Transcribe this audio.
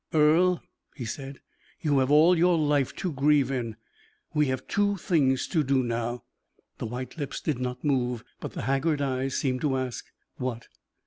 "Earle," he said, "you have all your life to grieve in. We have two things to do now." The white lips did not move, but the haggard eyes seemed to ask, "What?"